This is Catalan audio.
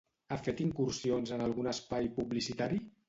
Ha fet incursions en algun espai publicitari?